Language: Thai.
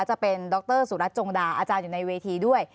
จะเป็นดรสุรัตนจงดาอาจารย์อยู่ในเวทีด้วย